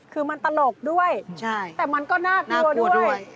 คือมันตลกด้วยแต่มันก็น่ากลัวด้วย